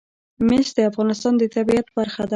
مس د افغانستان د طبیعت برخه ده.